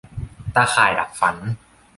ตาข่ายดักฝัน